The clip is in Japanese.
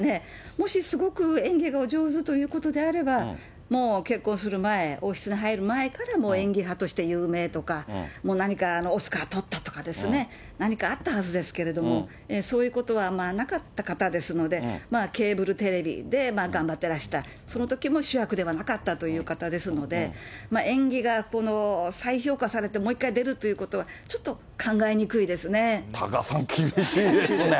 もしすごく演技がお上手ということであれば、もう結婚する前、王室に入る前から演技派として有名とか、もう何か、オスカーとったとかね、何かあったはずですけれども、そういうことはなかった方ですので、ケーブルテレビで頑張ってらした、そのときも主役ではなかったという方ですので、演技が再評価されてもう一回出るということは、ちょっと考えにく多賀さん、厳しいですね。